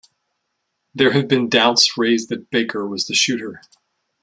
There have been doubts raised that Baker was the shooter.